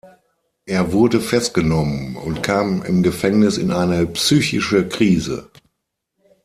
Er wurde festgenommen und kam im Gefängnis in eine psychische Krise.